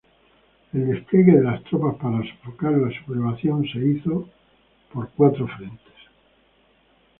El despliegue de las tropas para sofocar la sublevación se hizo por cuatro frentes.